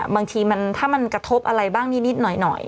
บางทีถ้ามันกระทบอะไรบ้างนิดหน่อย